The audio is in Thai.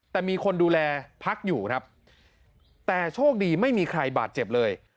แต่มีคนดูแลพักอยู่ครับแต่โชคดีไม่มีใครบาดเจ็บเลย